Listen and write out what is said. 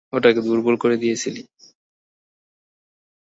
ওটাকে দুর্বল করে দিয়েছিলি।